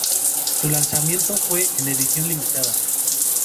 Su lanzamiento fue en edición limitada.